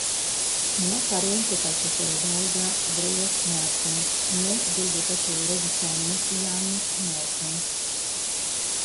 Non è parente calciatore belga Dries Mertens nè del giocatore di tennis Yannick Mertens.